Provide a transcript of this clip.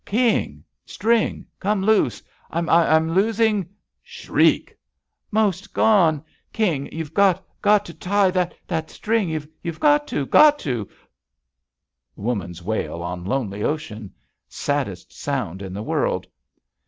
"King! — string— come loose! I'm — I'm losin —!" "Most gone! KiAg, you've got — got to tie — that — ^that — string! You've got to! Got to! Got to!" Woman's wail on lonely ocean! Saddest sound in the world.